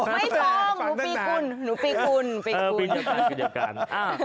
ไม่ชงหนูปีคุณหนูปีคุณเออปีเงียบกันปีเงียบกันอ่า